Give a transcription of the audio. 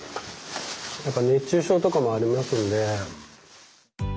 やっぱ熱中症とかもありますんで。